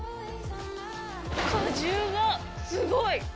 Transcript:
果汁がすごい。